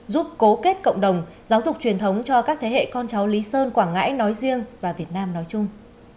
giúp cố kết cộng đồng giáo dục truyền thống cho các thế hệ con cháu lý sơn quảng ngãi nói riêng và việt nam nói chung